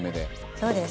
そうです。